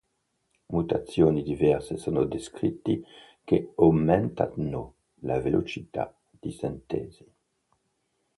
Mutazioni diverse sono descritti che aumentano la velocità di sintesi.